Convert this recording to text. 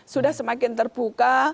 sudah semakin terbuka